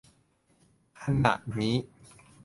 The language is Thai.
ขณะนี้